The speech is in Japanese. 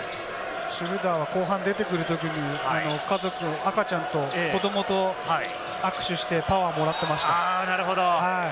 シュルーダーは後半、出てくるときも家族、赤ちゃんと、子どもと握手してパワーをもらってました。